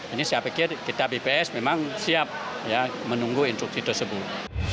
ini saya pikir kita bps memang siap ya menunggu instruksi tersebut